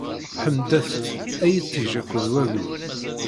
Ḥemdet- t, ay iṭij akked wayyur!